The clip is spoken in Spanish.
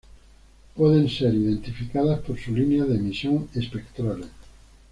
Pueden ser identificadas por sus líneas de emisión espectrales.